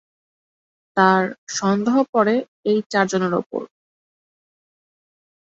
তার সন্দেহ পড়ে এই চারজনের ওপর।